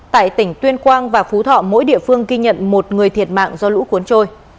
tại tỉnh tuyên quang và phú thọ mỗi địa phương ghi nhận một người thiệt mạng do lũ cuốn trôi